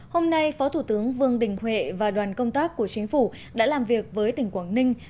hôm nay phó thủ tướng vương đình huệ và đoàn công tác của chính phủ đã làm việc với tỉnh quảng ninh